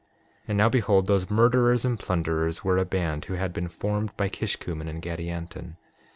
6:18 And now behold, those murderers and plunderers were a band who had been formed by Kishkumen and Gadianton.